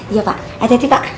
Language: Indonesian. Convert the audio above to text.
iya pak aja di pak